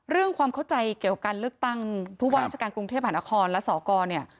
ความเข้าใจเกี่ยวกับการเลือกตั้งผู้ว่าราชการกรุงเทพหานครและสกเนี่ย